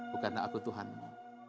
bukan aku tuhanmu